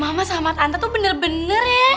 mama sama tante tuh bener bener ya